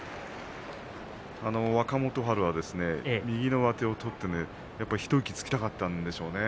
若元春は右の上手を取って一息つきたかったんでしょうね。